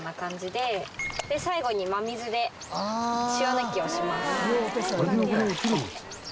で最後に真水で塩抜きをします。